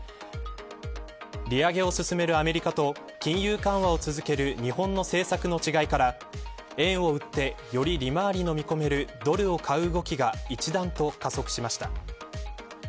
利上げを進めるアメリカと金融緩和を続ける日本の政策の違いから円を売ってより利回りの見込めるドルを買う動きが一段と加速しました。